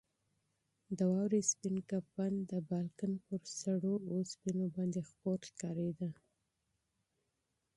د واورې سپین کفن د بالکن پر سړو اوسپنو باندې خپور ښکارېده.